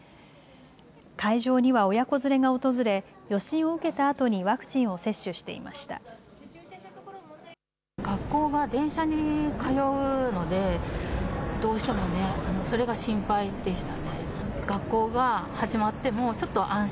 会場には親子連れが訪れ予診を受けたあとにワクチンを接種していました。